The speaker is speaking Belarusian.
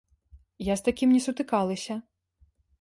Я з такім не сутыкалася.